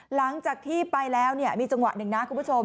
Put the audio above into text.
หลังจากที่ไปแล้วมีจังหวะหนึ่งนะคุณผู้ชม